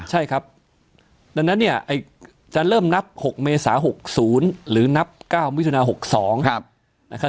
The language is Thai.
ใช่ครับดังนั้นจะเริ่มนับ๖เมษา๖๐หรือนับ๙มิถุนา๖๒